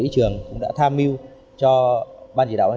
thứ hai là về giá cả